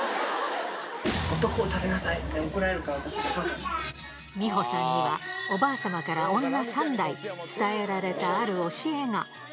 男を立てなさいって怒られる美保さんには、おばあ様から女３代、伝えられたある教えが。